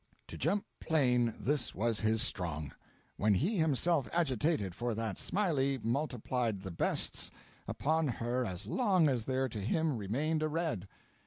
To jump plain this was his strong. When he himself agitated for that Smiley multiplied the bets upon her as long as there to him remained a red.